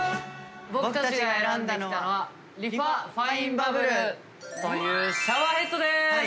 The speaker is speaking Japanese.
僕たちが選んだのはリファファインバブル！というシャワーヘッドです！